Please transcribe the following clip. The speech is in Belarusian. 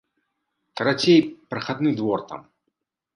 Карацей, прахадны двор там.